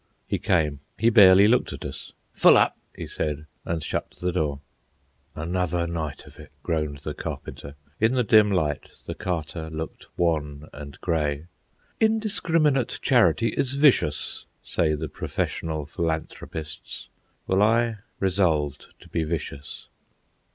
He came. He barely looked at us. "Full up," he said and shut the door. "Another night of it," groaned the Carpenter. In the dim light the Carter looked wan and grey. Indiscriminate charity is vicious, say the professional philanthropists. Well, I resolved to be vicious.